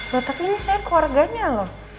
bapak ini saya keluarganya loh